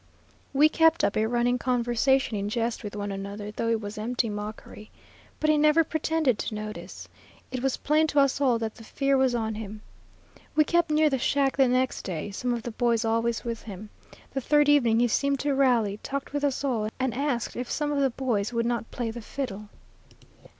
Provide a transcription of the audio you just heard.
We kept up a running conversation in jest with one another, though it was empty mockery. But he never pretended to notice. It was plain to us all that the fear was on him. We kept near the shack the next day, some of the boys always with him. The third evening he seemed to rally, talked with us all, and asked if some of the boys would not play the fiddle.